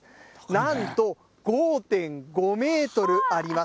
なんと５．５メートルあります。